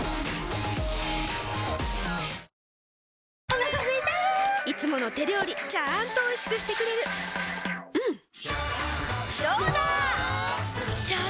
お腹すいたいつもの手料理ちゃんとおいしくしてくれるジューうんどうだわ！